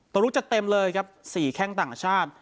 ตัวลุกจะเต็มเลยครับสี่แข่งต่างชาติ